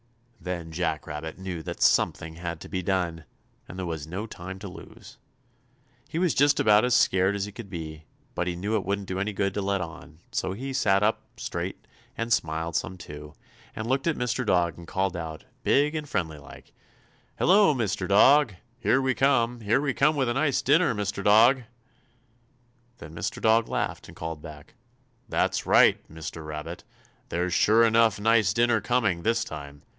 Then Jack Rabbit knew that something had to be done, and there was no time to lose. He was just about as scared as he could be, but he knew it wouldn't do any good to let on, so he sat up straight and smiled some, too, and looked at Mr. Dog and called out, big and friendly like: "Hello, Mr. Dog! Here we come! Here we come with a nice dinner, Mr. Dog!" Then Mr. Dog laughed and called back: "That's right, Mr. Rabbit. There's a sure enough nice dinner coming, this time!